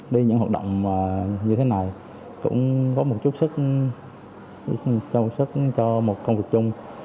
đi những hoạt động như thế này cũng có một chút sức trao cho một công việc chung